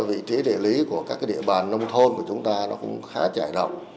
vị trí địa lý của các địa bàn nông thôn của chúng ta nó cũng khá trải động